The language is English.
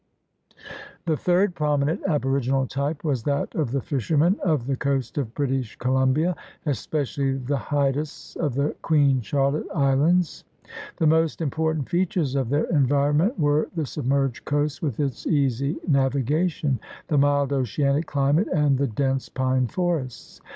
The third prominent aboriginal type was that of the fishermen of the coast of British Colum bia, especially the Haidas of the Queen Charlotte Islands. The most important features of their environment were the submerged coast with its easy navigation, the mild oceanic climate, and the dense pine forests.